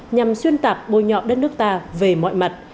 nhằm xuyên tạc bôi nhọ đất nước ta về mọi mặt